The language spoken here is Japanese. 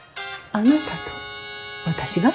あなたと私が？